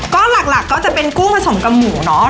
ก็หลักก็จะเป็นกุ้งผสมกับหมูเนอะ